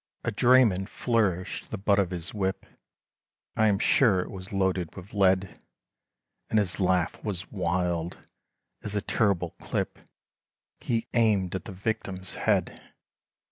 A drayman flourished the butt of his whip, I am sure it was loaded with lead, And his laugh was wild, as a terrible clip, He aimed at the victim's head!